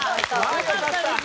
よかったです